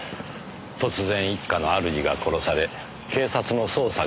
突然一家の主が殺され警察の捜査が入る。